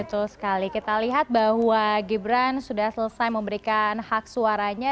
betul sekali kita lihat bahwa gibran sudah selesai memberikan hak suaranya